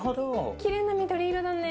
きれいな緑色だね。